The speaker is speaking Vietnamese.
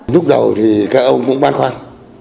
lúc đầu thì các ông cũng bán khoản